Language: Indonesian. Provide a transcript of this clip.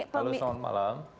halo selamat malam